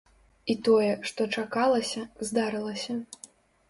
І тое, што чакалася, здарылася.